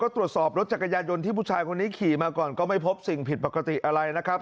ตรวจสอบรถจักรยานยนต์ที่ผู้ชายคนนี้ขี่มาก่อนก็ไม่พบสิ่งผิดปกติอะไรนะครับ